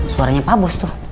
suaranya pak bos tuh